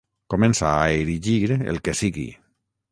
Comença a erigir el que sigui.